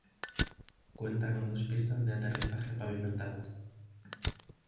Cuenta con dos pistas de aterrizaje pavimentadas:.